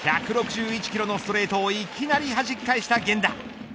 １６１キロのストレートをいきなりはじき返した源田。